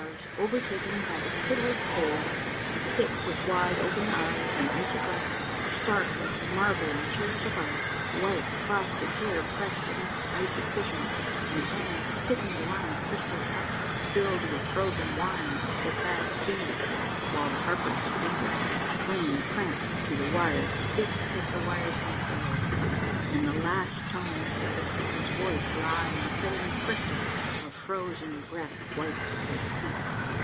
A MARVELLOUS UNDERGROUND JOURNEY 151 overtaken by the pitiless cold, sit with wide opened eyes and icy glare, stark as marble in chairs of ice, white frosted hair pressed against icy cushions, and hands stiffened around crystal cups filled with frozen wine of topaz hue, while the harper's fingers cling cramped to the wires stiff as the wires themselves, and the last tones of the singer's voice lie in feathery crystals of frozen breath white at his feet